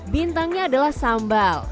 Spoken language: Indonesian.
bintangnya adalah sambal